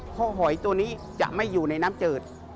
เพราะหอยตัวนี้จะไม่อยู่ในน้ำจืด